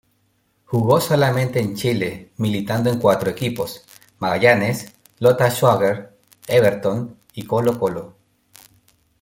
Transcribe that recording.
Jugó solamente en Chile, militando en cuatro equipos: Magallanes, Lota Schwager, Everton y Colo-Colo.